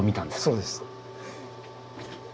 そうです。